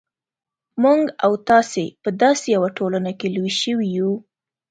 موږ او تاسې په داسې یوه ټولنه کې لوی شوي یو.